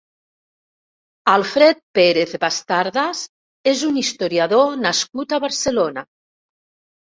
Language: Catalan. Alfred Pérez-Bastardas és un historiador nascut a Barcelona.